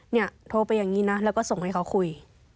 เนี่ยโทรไปอย่างนี้นะแล้วก็ส่งให้เขาคุย